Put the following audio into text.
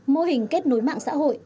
mô hình kết nối mạng xã hội